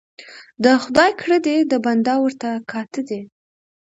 ـ د خداى کړه دي د بنده ورته کاته دي.